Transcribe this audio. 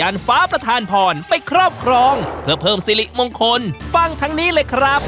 ฟ้าประธานพรไปครอบครองเพื่อเพิ่มสิริมงคลฟังทั้งนี้เลยครับ